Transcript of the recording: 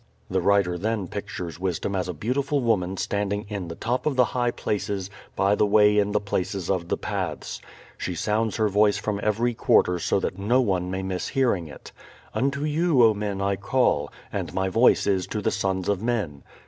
The writer then pictures wisdom as a beautiful woman standing "in the top of the high places, by the way in the places of the paths." She sounds her voice from every quarter so that no one may miss hearing it. "Unto you, O men, I call; and my voice is to the sons of men."